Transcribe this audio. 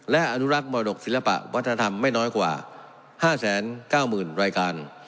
และอนุรักษ์มรดกศิลปะวัฒนธรรมไม่น้อยกว่า๕๙๐๐รายการ